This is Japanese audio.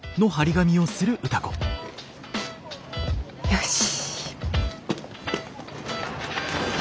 よし。